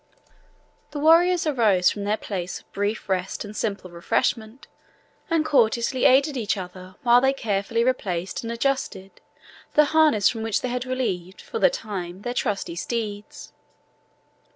The warriors arose from their place of brief rest and simple refreshment, and courteously aided each other while they carefully replaced and adjusted the harness from which they had relieved for the time their trusty steeds.